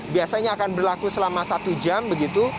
biasanya akan berlaku selama satu jam begitu